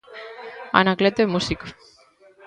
Anacleto é músico.